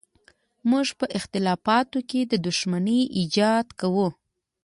موږ په اختلافاتو کې د دښمنۍ ایجاد کوو.